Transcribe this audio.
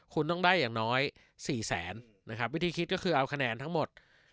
คุณต้องได้อย่างน้อย๔แสนนะครับวิธีคิดก็คือเอาคะแนนทั้งหมด